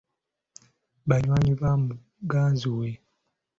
Banywanyi ba muganzi we.